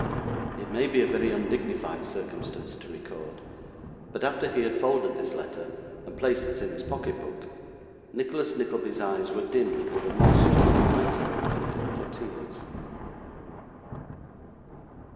It may be a very undignified circumstances to record, but after he had folded this letter and placed it in his pocket book, Nicholas Nickleby's eyes were dimmed with a moisture that might have been taken for tears.